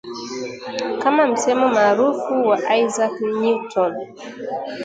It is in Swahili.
kama msemo maarufu wa Isaac Newton